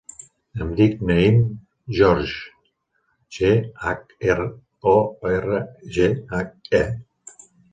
Em dic Naïm Gheorghe: ge, hac, e, o, erra, ge, hac, e.